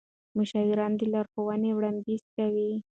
مشاورین د لارښوونې وړاندیز کوي.